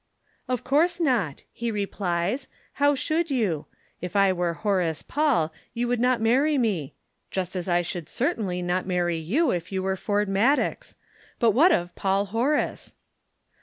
"'Of course not,' he replies. 'How should you? If I were Horace Paul you would not marry me; just as I should certainly not marry you if you were Frank Maddox. But what of Paul Horace?'"